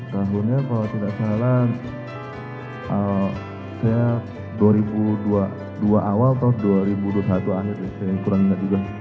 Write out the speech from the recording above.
tahunnya kalau tidak salah saya dua ribu dua puluh dua awal atau dua ribu dua puluh satu akhir ya saya kurang ingat juga